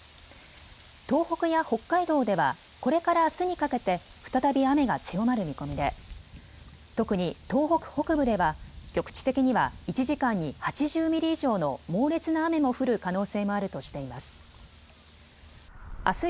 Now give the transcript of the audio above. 東北や北海道ではこれからあすにかけて再び雨が強まる見込みで特に東北北部では局地的には１時間に８０ミリ以上の猛烈な雨も降る可能性もあるとしています。